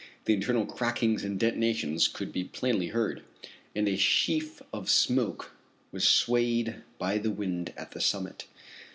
The internal crackings and detonations could be plainly heard, and a sheaf of smoke was swayed by the wind at the summit.